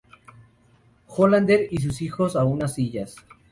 Hollander y a sus hijos a unas sillas.